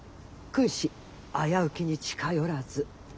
「君子危うきに近寄らず」よ。